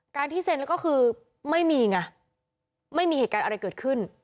ที่เซ็นแล้วก็คือไม่มีไงไม่มีเหตุการณ์อะไรเกิดขึ้น